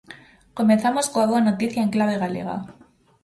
Comezamos coa boa noticia en clave galega.